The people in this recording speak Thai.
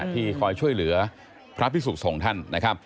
ที่คอยช่วยเหลือพระพิสุขส่งท่าน